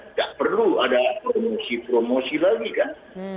tidak perlu ada promosi promosi lagi kan